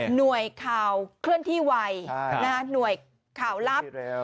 หน่วยข่าวเคลื่อนที่ไวหน่วยข่าวลับ